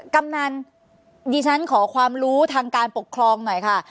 กำนันดิฉันขอความรู้ทางการปกครองหน่อยค่ะ